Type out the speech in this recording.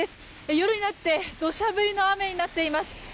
夜になって土砂降りの雨になっています。